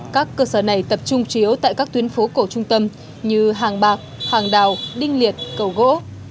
các cơ sở này tập trung chiếu tại các tuyến phố cổ trung tâm như hàng bạc hàng đào đinh liệt cầu gỗ